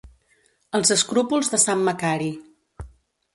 Els escrúpols de sant Macari.